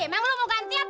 memang lu mau ganti apa